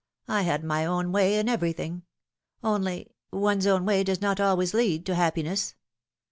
I had my own way in everything ; only one's own way does not always lead to happiness.